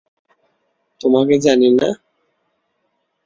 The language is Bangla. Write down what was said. তােমাকে জানি না?